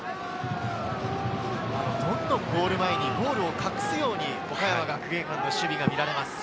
どんどんゴール前に、ゴールを隠すように岡山学芸館の守備が見られます。